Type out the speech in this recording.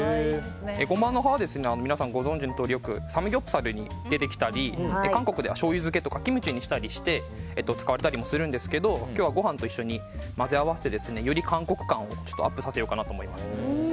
エゴマの葉は皆さんご存じのとおりよくサムギョプサルに出てきたり韓国ではしょうゆ漬けとかキムチにしたりして使われたりもするんですけど今日はご飯と一緒に混ぜ合わせてより韓国感をアップさせようかなと思います。